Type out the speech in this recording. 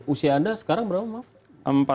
usia anda sekarang berapa